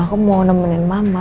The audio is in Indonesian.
aku mau nemenin mama